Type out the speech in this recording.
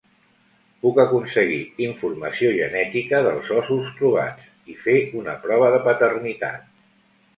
Puc aconseguir informació genètica dels ossos trobats i fer una prova de paternitat.